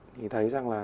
thì thấy rằng là